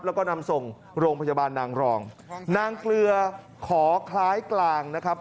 แล้วก็นำส่งโรงพยาบาลนางรองนางเกลือขอคล้ายกลางนะครับ